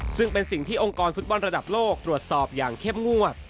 ซึ่งเป็นสิ่งที่องค์กรฟุตบอลระดับโลกตรวจสอบอย่างเข้มงวด